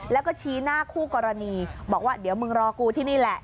แล้วก็ชี้หน้าคู่กรณีบอกว่าเดี๋ยวมึงรอกูที่นี่แหละ